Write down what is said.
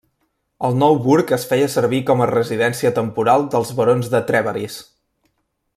El nou burg es feia servir com a residència temporal dels barons de Trèveris.